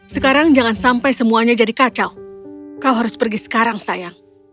sekarang jangan sampai semuanya jadi kacau kau harus pergi sekarang sayang